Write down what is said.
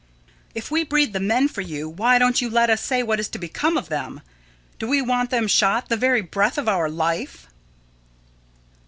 If we breed the men for you, why don't you let us say what is to become of them? Do we want them shot the very breath of our life?